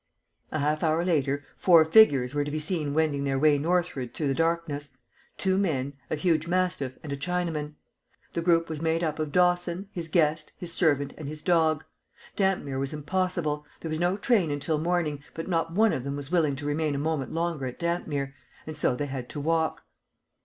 _ A half hour later four figures were to be seen wending their way northward through the darkness two men, a huge mastiff, and a Chinaman. The group was made up of Dawson, his guest, his servant, and his dog. Dampmere was impossible; there was no train until morning, but not one of them was willing to remain a moment longer at Dampmere, and so they had to walk.